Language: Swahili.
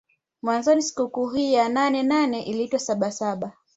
Mwanzoni sikukuu hii ya nane nane iliitwa saba saba